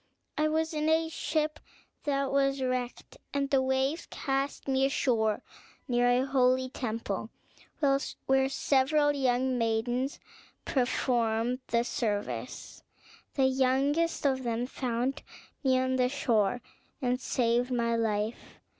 I was in a ship that was wrecked, and the waves cast me ashore near a holy temple, where several young maidens performed the service. The youngest of them found me on the shore, and saved my life.